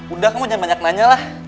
udah kamu banyak nanya lah